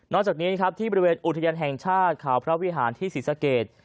จากนี้ครับที่บริเวณอุทยานแห่งชาติข่าวพระวิหารที่ศรีสะเกด